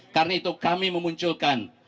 karena itu kami memunculkan